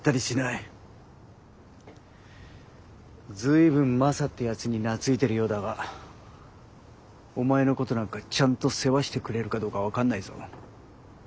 随分マサってやつに懐いてるようだがお前のことなんかちゃんと世話してくれるかどうか分かんないぞ。